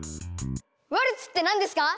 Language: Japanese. ワルツって何ですか？